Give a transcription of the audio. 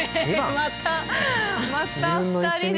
また２人で。